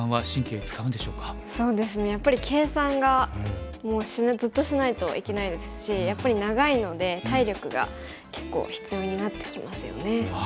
やっぱり計算がもうずっとしないといけないですしやっぱり長いので体力が結構必要になってきますよね。